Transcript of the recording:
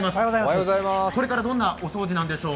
これからどんなお掃除なんでしょう？